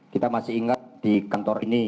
kita masih ingat di kantor ini